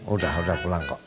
udah udah pulang kok